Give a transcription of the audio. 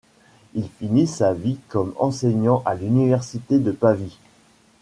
Il finit sa vie comme enseignant à l'université de Pavie.